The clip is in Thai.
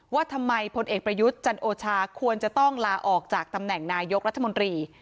ว่าทำไมพลเอกประยุทธ์จันโอชาควรจะต้องลาออกจากตำแหน่งนายกรัฐมนตรี